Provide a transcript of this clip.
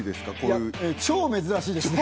いや超珍しいですね